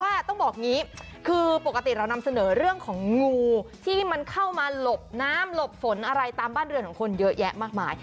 ต้องบอกอย่างนี้คือปกติเรานำเสนอเรื่องของงูที่มันเข้ามาหลบน้ำหลบฝนอะไรตามบ้านเรือนของคนเยอะแยะมากมาย